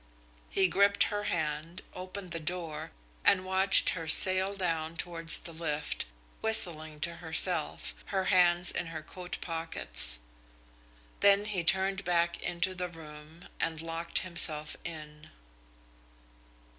He gripped her hand, opened the door, and watched her sail down towards the lift, whistling to herself, her hands in her coat pockets. Then he turned back into the room and locked himself in.